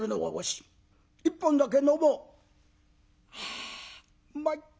あうまい。